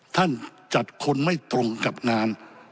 ท่านจัดคนไม่ตรงกับงาน